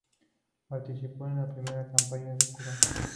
Participó en la Primera Campaña de Kubán.